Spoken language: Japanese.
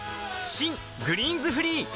新「グリーンズフリー」